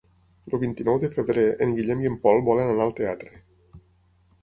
El vint-i-nou de febrer en Guillem i en Pol volen anar al teatre.